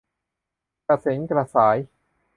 กระเส็นกระสาย